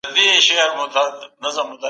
څنګه هېوادونه پر خپلو ژمنو عمل کوي؟